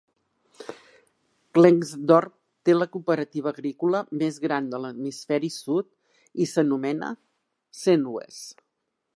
Klerksdorp té la cooperativa agrícola més gran de l'hemisferi sud i s'anomena "Senwes".